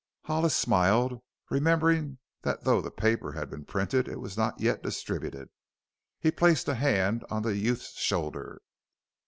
Hollis smiled, remembering that though the paper had been printed it was not yet distributed. He placed a hand on the youth's shoulder.